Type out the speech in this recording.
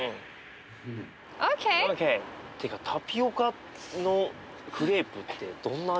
ＯＫ！っていうかタピオカのクレープってどんな味するんだろう？